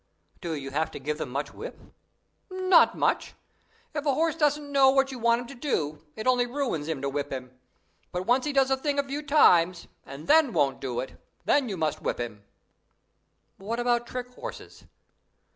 "Do you have to give them much whip?" "Not much. If a horse doesn't know what you want him to do, it only ruins him to whip him. But once he does a thing a few times, and then won't do it, then you must whip him." "What about trick horses?"